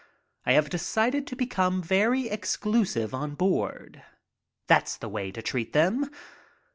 I have decided to become very exclusive on board. That's the way to treat them.